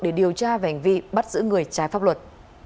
để điều tra về hành vi bắt giữ người trái pháp luật